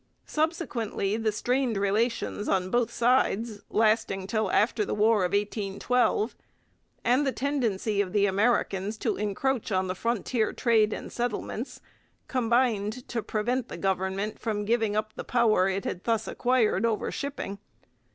Subsequently the strained relations on both sides, lasting till after the War of 1812, and the tendency of the Americans to encroach on the frontier trade and settlements, combined to prevent the government from giving up the power it had thus acquired over shipping.